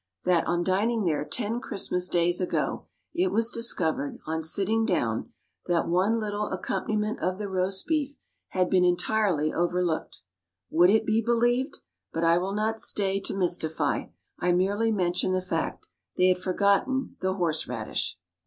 _, that, on dining there ten Christmas Days ago, it was discovered, on sitting down, that one little accompaniment of the roast beef had been entirely overlooked. Would it be believed! but I will not stay to mystify I merely mention the fact. They had forgotten the horseradish.